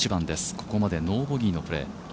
ここまでノーボギーのプレー。